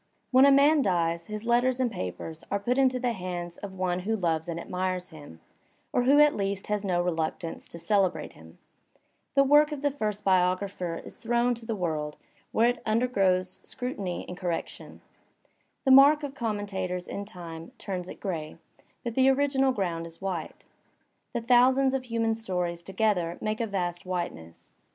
When a man dies, his letters and papers are put into the hands of one who loves and admires him, or who at least has no reluctance to celebrate him. The work o^ the Gist biog rapher is thrown to the world, where it undergoes scrutiny Digitized by Google 140 THE SPIRIT OF AMERICAN LITERATURE and correction. The mark of commentators in time turns it gray, but the original ground is white. The thousands of human stories together make a vast whiteness.